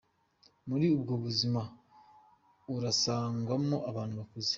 Muri ubwo buzima urasangamwo abantu bakuze.